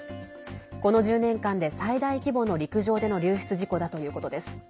この１０年間で最大規模の陸上での流出事故だということです。